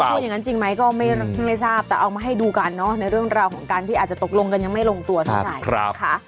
พูดอย่างนั้นจริงไหมก็ไม่ทราบแต่เอามาให้ดูกันเนอะในเรื่องราวของการที่อาจจะตกลงกันยังไม่ลงตัวเท่าไหร่